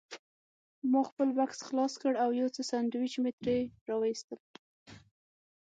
ما خپل بکس خلاص کړ او یو څو سنډوېچ مې ترې راوایستل.